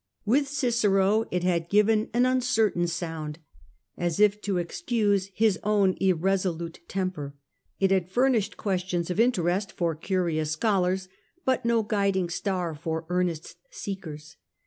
With Cicero it had given an uncertain sound, as if to excuse power, his own irresolute temper; it had furnished questions of interest for curious scholars, but no guiding star for ear nest seekers.